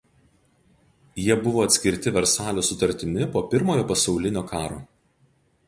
Jie buvo atskirti Versalio sutartimi po Pirmojo pasaulinis karo.